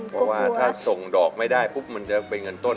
เพราะว่าถ้าส่งดอกไม่ได้ปุ๊บมันจะเป็นเงินต้น